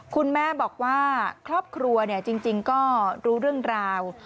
คุณแม่บอกว่าครอบครัวจริงก็รู้เรื่องราว